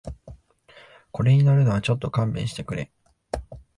これに乗るのはちょっと勘弁してくれ